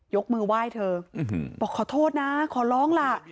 ยกมือไหว้เธอบอกขอโทษนะขอร้องล่ะ